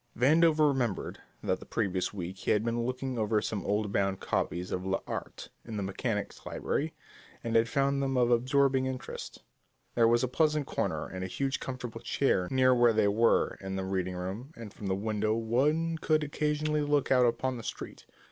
Vandover remembered that the previous week he had been looking over some old bound copies of l'Art in the Mechanics Library and had found them of absorbing interest. There was a pleasant corner and a huge comfortable chair near where they were in the reading room, and from the window one could occasionally look out upon the street.